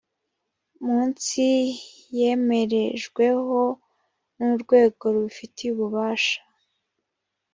munsi yemerejweho n urwego rubifitiye ububasha